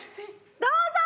どうぞ！